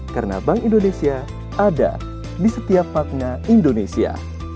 karena bank indonesia ada di setiap partner indonesia